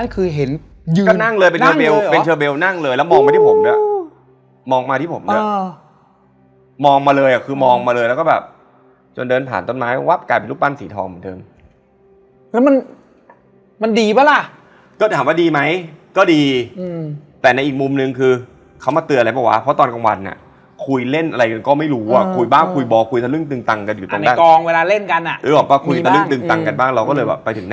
คือเราต้องรุนไงว่า๕๐๕๐ถ้ามันจะเวิร์คหรือว่านักไปเลย